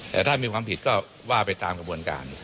แต่ถ้ามีความผิดก็ว่าไปตามกระบวนการ